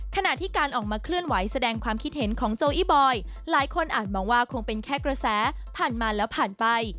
ขณะที่การออกมาเคลื่อนไหวแสดงความคิดเห็นของโจอี้บอยหลายคนอาจมองว่าคงเป็นแค่กระแสผ่านมาแล้วผ่านไป